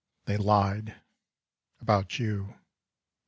They lied ... about you